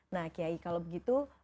nah kyai kalau begitu